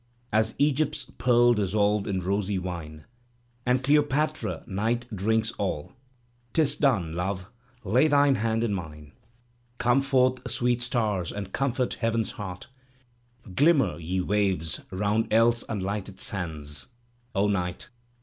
As Egypt's pearl dissolved in rosy wine. And Cleopatra night drinks alL 'TIS done. Love, lay thine hand in mine. Come forth, sweet stars, and comfort heaven's heart; Glimmer, ye waves, round else unlighted sands. O night!